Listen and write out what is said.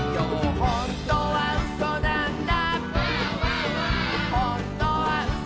「ほんとにうそなんだ」